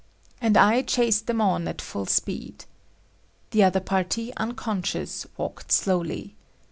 And I chased them on a full speed. The other party, unconscious, walked slowly.